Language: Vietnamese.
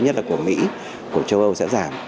nhất là của mỹ của châu âu sẽ giảm